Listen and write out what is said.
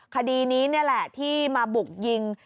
คดีนี้นี่แหละที่มาบุกยิง